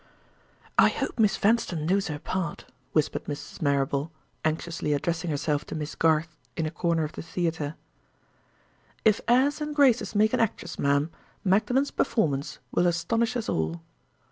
"I hope Miss Vanstone knows her part?" whispered Mrs. Marrable, anxiously addressing herself to Miss Garth, in a corner of the theater. "If airs and graces make an actress, ma'am, Magdalen's performance will astonish us all."